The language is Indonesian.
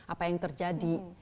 apa yang terjadi